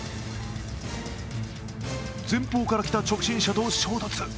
前方から来た直進車と衝突。